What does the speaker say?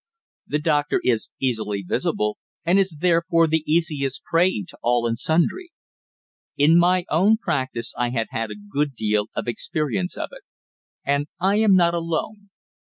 The doctor is easily visible, and is therefore the easiest prey to all and sundry. In my own practice I had had a good deal of experience of it. And I am not alone.